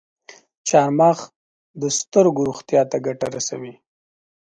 چارمغز د سترګو روغتیا ته ګټه رسوي.